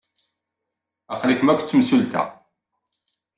Aql-ikem akked temsulta?